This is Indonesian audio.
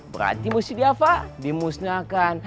berarti musidiafa dimusnahkan